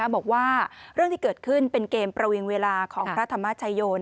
บอกว่าเรื่องที่เกิดขึ้นเป็นเกมประวิงเวลาของพระธรรมชโย